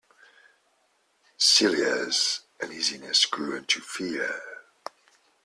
Celia's uneasiness grew into fear.